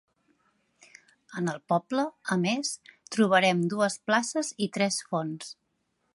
En el poble, a més, trobarem dues places i tres fonts.